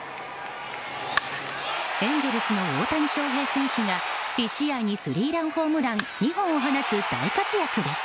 エンゼルスの大谷翔平選手が１試合にスリーランホームラン２本を放つ大活躍です。